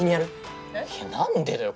いや何でだよ